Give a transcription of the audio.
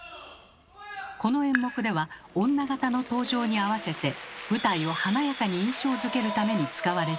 この演目では女形の登場に合わせて舞台を華やかに印象づけるために使われています。